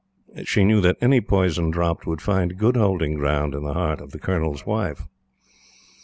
She knew that any poison dropped would find good holding ground in the heart of the Colonel's Wife.